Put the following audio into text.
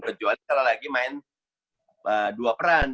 kecuali kalau lagi main dua peran